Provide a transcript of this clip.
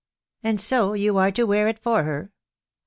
••" u And so you are to wear it for her?